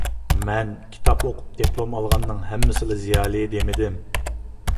مەن كىتاب ئوقۇپ دىپلوم ئالغاننىڭ ھەممىسىلا زىيالىي دېمىدىم.